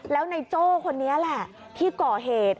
แล้วในโจ้คนนี้แหละที่ก่อเหตุ